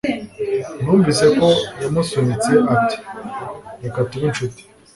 Numvise ko yamusunitse, ati: "Reka tube inshuti"